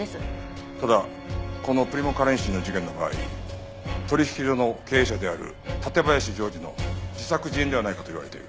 ただこのプリモカレンシーの事件の場合取引所の経営者である館林穣治の自作自演ではないかと言われている。